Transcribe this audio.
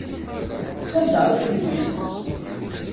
Sanda ay ten-wwin?